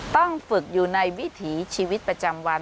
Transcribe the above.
ต้องฝึกอยู่ในวิถีชีวิตประจำวัน